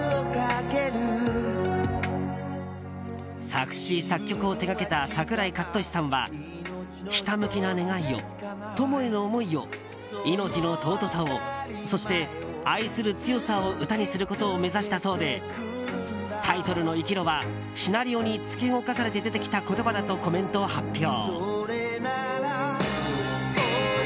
作詞・作曲を手掛けた桜井和寿さんはひたむきな願いを、友への想いを命の尊さを、そして愛する強さを歌にすることを目指したそうでタイトルの「生きろ」はシナリオに突き動かされて出てきた言葉だとコメントを発表。